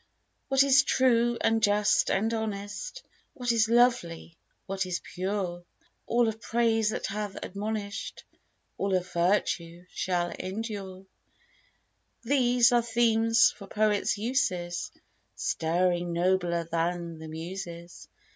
What is true and just and honest, What is lovely, what is pure, — All of praise that hath admonish'd, All of virtue, shall endure, — These are themes for poets' uses, Stirring nobler than the Muses.